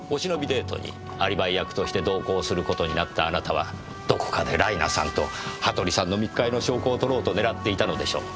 デートにアリバイ役として同行する事になったあなたはどこかでライナさんと羽鳥さんの密会の証拠を撮ろうと狙っていたのでしょう。